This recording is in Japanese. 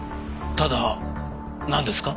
ただなんですか？